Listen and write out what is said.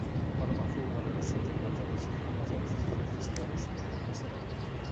Paloma fue uno de los siete huracanes mayores registrados en un mes de noviembre.